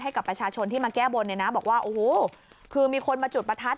ให้กับประชาชนที่มาแก้บนเนี่ยนะบอกว่าโอ้โหคือมีคนมาจุดประทัด